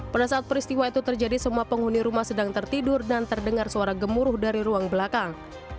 pada saat peristiwa itu terjadi semua penghuni rumah sedang tertidur dan terdengar suara gemuruh dari ruang belakang